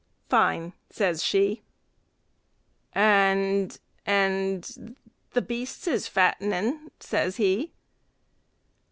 "Fine," says she. "And and the beasts is fattening," says he.